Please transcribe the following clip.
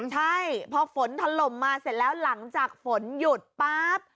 ใช่พอฝนถล่มมาเสร็จแล้วหลังจากฝนหยุดปั๊บ